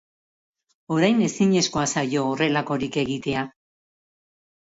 Orain ezinezkoa zaio horrelakorik egitea.